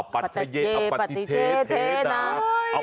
อปัศเยยปฏิเทเทเทนา